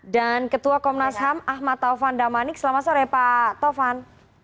dan ketua komnas ham ahmad taufan damanik selamat sore pak taufan